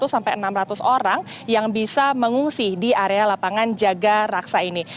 sampai enam ratus orang yang bisa mengungsi di area lapangan jaga raksa ini